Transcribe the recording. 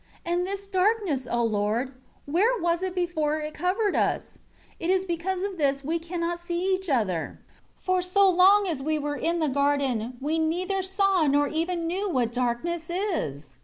8 And this darkness, O Lord, where was it before it covered us? It is because of this that we cannot see each other. 9 For so long as we were in the garden, we neither saw nor even knew what darkness is.